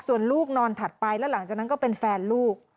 ส่วนลูกนอนถัดไปแล้วหลังจากนั้นก็เป็นแฟนลูก